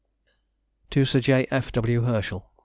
TO SIR J. F. W. HERSCHEL.